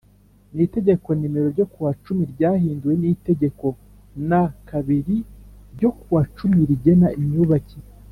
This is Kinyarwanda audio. n Itegeko nimero ryo ku wa cumi ryahinduwe n Itegeko n kabiri ryo ku wa cumi rigena imyubakire